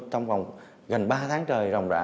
trong vòng gần ba tháng trời ròng rã